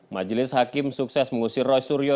majelis hakim sukses mengusir roy suryo